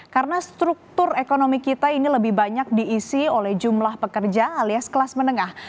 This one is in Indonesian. karena struktur ekonomi kita ini lebih banyak diisi oleh jumlah pekerja alias kelas menengah